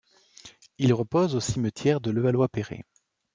Il repose au cimetière de Levallois-Perret.